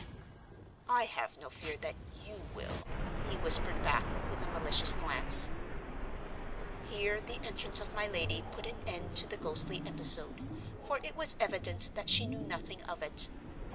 "I have no fear that you will," he whispered back, with a malicious glance. Here the entrance of my lady put an end to the ghostly episode, for it was evident that she knew nothing of it.